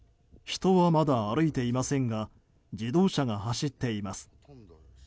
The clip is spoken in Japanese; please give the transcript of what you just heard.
人は、まだ歩いていませんが自動車が走っています。